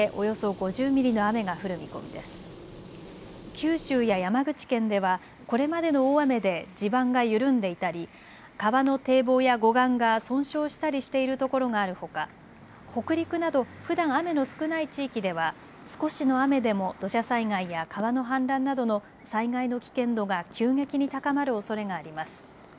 九州や山口県ではこれまでの大雨で地盤が緩んでいたり、川の堤防や護岸が損傷したりしているところがあるほか北陸などふだん雨の少ない地域では少しの雨でも土砂災害や川の氾濫などの災害の危険度が急激に高まるおそれがあります。